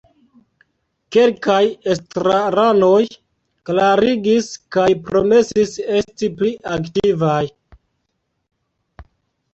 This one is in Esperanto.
Kelkaj estraranoj klarigis kaj promesis esti pli aktivaj.